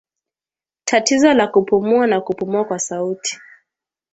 Tatizo la kupumua na kupumua kwa sauti